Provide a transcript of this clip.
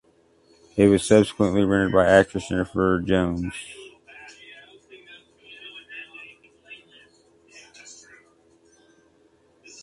It was subsequently rented by actress Jennifer Jones.